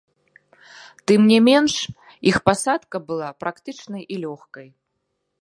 Тым не менш, іх пасадка была практычнай і лёгкай.